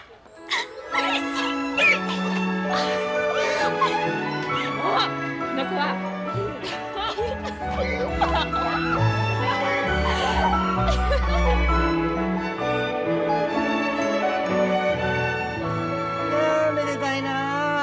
ああめでたいなあ。